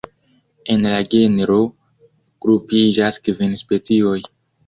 En la genro grupiĝas kvin specioj.